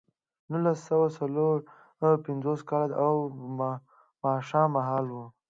نولس سوه څلور پنځوس کال و او ماښام مهال و